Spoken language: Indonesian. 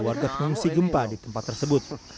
warga pengungsi gempa di tempat tersebut